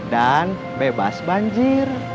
dan bebas banjir